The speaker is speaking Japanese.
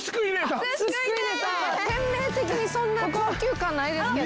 店名的にそんな高級感ないですけど。